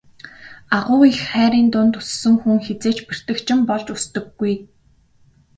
Агуу их хайрын дунд өссөн хүн хэзээ ч бэртэгчин болж өсдөггүй.